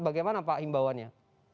bagaimana pak imbauannya